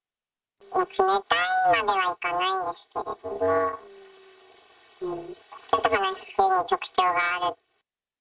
冷たいまではいかないんですけど、ちょっと話に特徴がある。